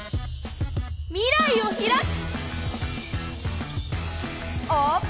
未来をひらく！